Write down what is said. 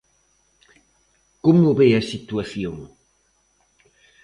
Como ve a situación?